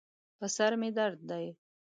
په سر مې درد دی